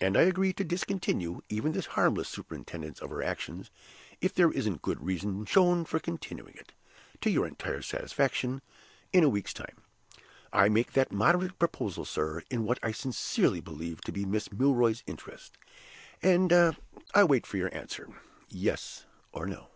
And I agree to discontinue even this harmless superintendence of her actions, if there isn't good reasons shown for continuing it, to your entire satisfaction, in a week's time. I make that moderate proposal, sir, in what I sincerely believe to be Miss Milroy's interest, and I wait your answer, Yes or No."